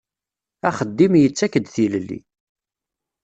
Axeddim yettak-d tilelli.